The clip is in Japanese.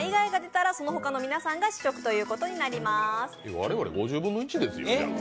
我々５０分の１ですよ。